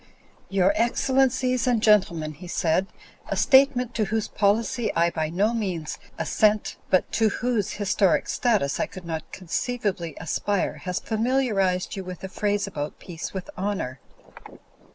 "Your Excellencies andjUmtlemen,'' he said, "a statement to whose policy t by no means assent, but Digitized by VjOOQ IC 26 THE FLYING INN to whose historic status I could not conceivably as pire, has familiarised you with a phrase about peace with honour.